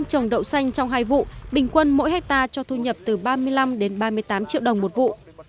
trồng đậu xanh trong hai vụ bình quân mỗi hectare cho thu nhập từ ba mươi năm đến ba mươi tám triệu đồng một vụ